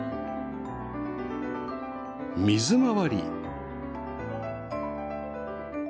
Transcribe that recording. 水回り